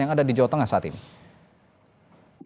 yang ada di jawa tengah saat ini